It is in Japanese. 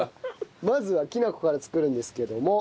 まずはきなこから作るんですけども。